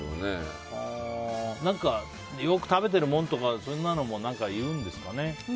よく食べてるものとかそんなの言うんですかね。